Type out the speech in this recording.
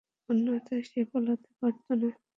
অন্যথায় সে পালাতে পারত না।